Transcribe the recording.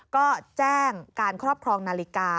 ก็แจ้งการครอบครองนาฬิกา